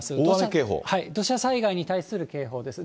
土砂災害に対する警報です。